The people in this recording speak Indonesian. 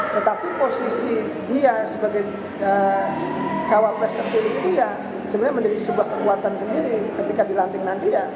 tetapi posisi dia sebagai jawab presiden ini sebenarnya menjadi sebuah kekuatan sendiri ketika dilanting nanti